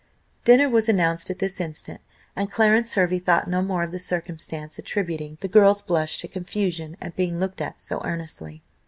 Dinner was announced at this instant, and Clarence Hervey thought no more of the circumstance, attributing the girl's blush to confusion at being looked at so earnestly.